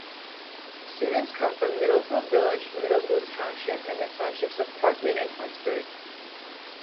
Students come from Middlefield village, Middlefield township, and the townships of Parkman and Huntsburg.